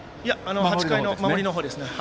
８回の守りの方ですね。